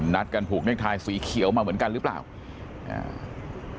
นัดกันผูกเลขท้ายสีเขียวมาเหมือนกันหรือเปล่าอ่า